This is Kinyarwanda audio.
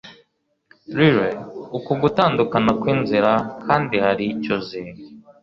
Riley, uku gutandukana kwinzira; kandi hari icyo uzi?